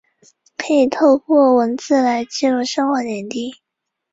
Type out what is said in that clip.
食管憩室主要影响成年人。